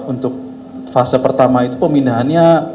untuk fase pertama itu pemindahannya